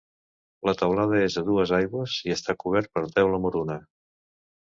La teulada és a dues aigües i està cobert per teula moruna.